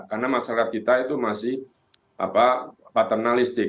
karena masyarakat kita itu masih paternalistik